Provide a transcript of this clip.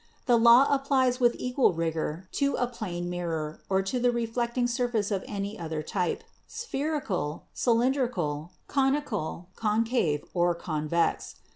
The law applies with equal rigor to a plane mirror or to a re flecting surface of any other type, spherical, cylindrical, conical, concave or convex.